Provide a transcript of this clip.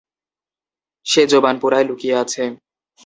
সে জোবানপুরায় লুকিয়ে আছে।